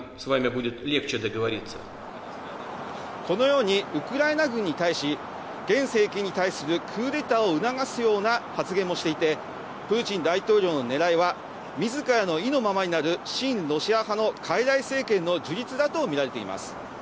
このように、ウクライナ軍に対し、現政権に対するクーデターを促すような発言もしていて、プーチン大統領のねらいは、みずからの意のままになる親ロシア派のかいらい政権の樹立だと見られています。